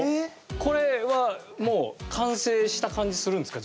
これはもう完成した感じするんですか